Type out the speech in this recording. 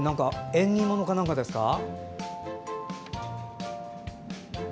縁起物か何かですか？